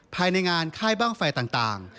ภายในงานค่ายบ้างไฟต่าง